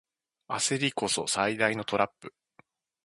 焦りこそ最大のトラップ